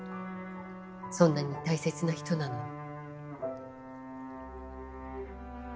そんなに大切な人なのに。